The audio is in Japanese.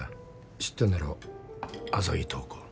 知ってんだろ浅葱塔子